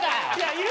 いる。